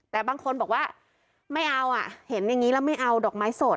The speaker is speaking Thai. แต่บางคนบอกว่าไม่เอาอ่ะเห็นอย่างนี้แล้วไม่เอาดอกไม้สด